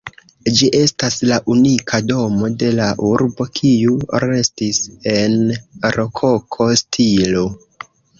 Ĝi estas la unika domo de la urbo kiu restis en rokoko stilo.